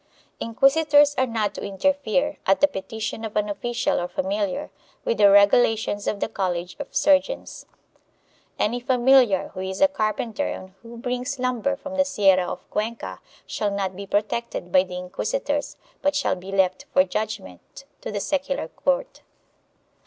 Inquisitors are not to interfere, at the petition of an official or familiar, with the regulations of the college of surgeons. Any familiar who is a carpenter and who brings lumber from the sierra of Cuenca shall not be protected by the inquisitors, but shall be left for judgement to the secular court.